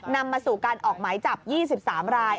นำมาสู่การออกหมายจับ๒๓ราย